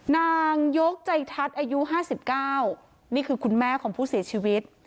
นายกใจทัศน์อายุ๕๙นี่คือคุณแม่ของผู้เสียชีวิต